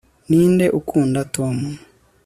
ninde ukunda tom